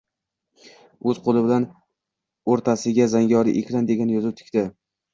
Oʻz qoʻli bilan oʻrtasiga “Zangori ekran ” degan yozuv tikdi